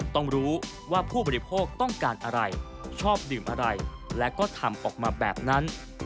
ต้องรู้ว่าผู้บริโภคต้องการอะไรชอบดื่มอะไรและก็ทำออกมาแบบนั้น